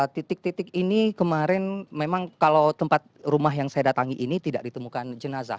titik titik ini kemarin memang kalau tempat rumah yang saya datangi ini tidak ditemukan jenazah